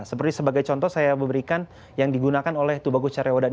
seperti sebagai contoh saya memberikan yang digunakan oleh tubagus caryawan